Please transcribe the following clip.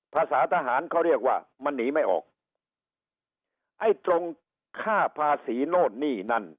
ภาษาทหารเขาเรียกว่ามันหนีไม่ออกไอ้ตรงค่าภาษีโน่นนี่นั่น